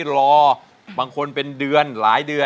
ขอบคุณครับ